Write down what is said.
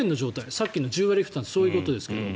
さっきの１０割負担ってそういうことですけど。